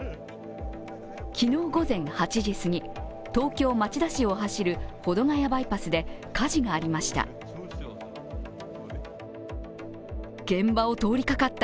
昨日午前８時過ぎ、東京・町田市を走る保土ヶ谷バイパスで火事がありました。